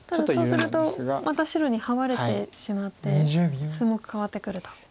ただそうするとまた白にハワれてしまって数目変わってくると。